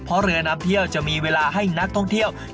เพราะเรือนำเที่ยวจะมีเวลาให้นักท่องเที่ยว